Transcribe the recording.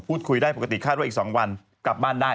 พูดคุยได้ปกติคาดว่าอีก๒วันกลับบ้านได้